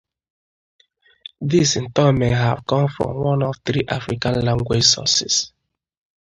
This in turn may have come from one of three African language sources.